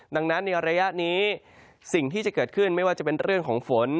ดังนั้นในระยะนี้สิ่งที่จะเกิดขึ้นไม่ว่าจะเป็นเรื่องของฝน